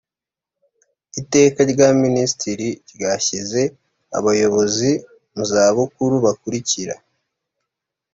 iteka rya minisitiri ryashyize abayobozi muzabukuru bakurikira